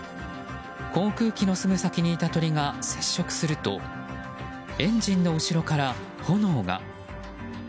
航空機のすぐ先にいた鳥が接触するとエンジンの後ろから炎が。